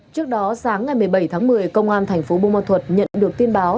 trước đó sáng ngày một mươi bảy tháng một mươi công an thành phố bù ma thuật nhận được tin báo